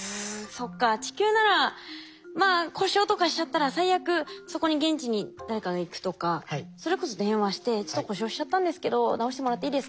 そっか地球ならまあ故障とかしちゃったら最悪そこに現地に誰かが行くとかそれこそ電話して「ちょっと故障しちゃったんですけど直してもらっていいですか」